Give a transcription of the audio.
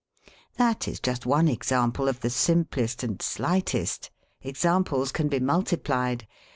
That is just one example, of the simplest and slightest. Examples can be multiplied.